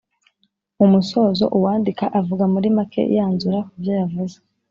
Mu musozo uwandika avuga muri make yanzura ku byo yavuze